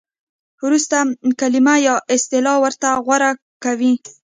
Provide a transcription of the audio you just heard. ورسته کلمه یا اصطلاح ورته غوره کوي.